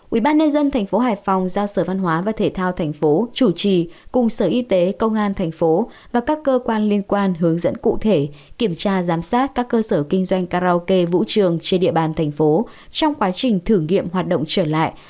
ubnd tp hải phòng giao sở văn hóa và thể thao thành phố chủ trì cùng sở y tế công an thành phố và các cơ quan liên quan hướng dẫn cụ thể kiểm tra giám sát các cơ sở kinh doanh karaoke vũ trường trên địa bàn thành phố trong quá trình thử nghiệm hoạt động trở lại